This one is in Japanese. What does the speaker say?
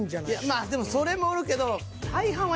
まあでもそれもおるけど。